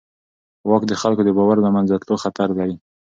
واک د خلکو د باور له منځه تلو خطر لري.